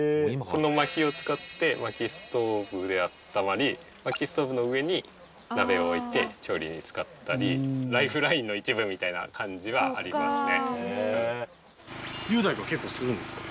この薪を使って薪ストーブであったまり薪ストーブの上に鍋を置いて調理に使ったりライフラインの一部みたいな感じはありますね。